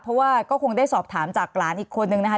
เพราะว่าก็คงได้สอบถามจากหลานอีกคนนึงนะคะ